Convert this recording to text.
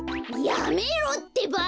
やめろってば！